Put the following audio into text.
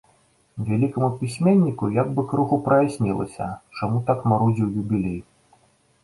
Вялікаму пісьменніку як бы крыху праяснілася, чаму так марудзіў юбілей.